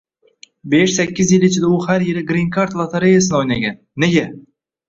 besh-sakkiz yil ichida u har yili «Grin kard» lotoreyasini o‘ynagan. Nega?